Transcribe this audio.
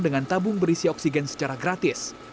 dengan tabung berisi oksigen secara gratis